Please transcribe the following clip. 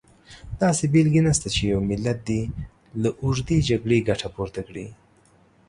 داسې بېلګه نشته چې یو ملت دې له اوږدې جګړې ګټه پورته کړي.